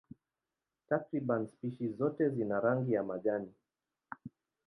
Takriban spishi zote zina rangi ya majani.